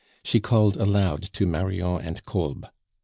She called aloud to Marion and Kolb.